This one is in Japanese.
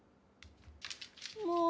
もう。